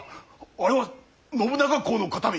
あれは信長公の形見。